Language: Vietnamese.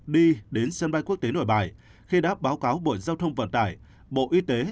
đi đến sân bay quốc tế nội bài khi đã báo cáo bộ giao thông vận tải bộ y tế